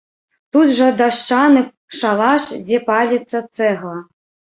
Тут жа дашчаны шалаш, дзе паліцца цэгла.